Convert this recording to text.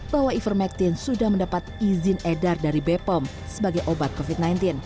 bahwa ivermectin sudah mendapat izin edar dari bepom sebagai obat covid sembilan belas